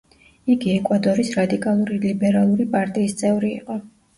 იგი ეკვადორის რადიკალური ლიბერალური პარტიის წევრი იყო.